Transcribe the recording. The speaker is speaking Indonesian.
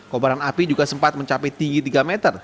kobaran api juga sempat mencapai tinggi tiga meter